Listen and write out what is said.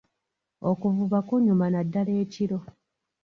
Okuvuba kunyuma naddala ekiro.